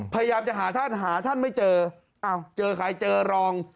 พยายามจะหาท่านหาท่านไม่เจออ้าวเจอใครเจอรอง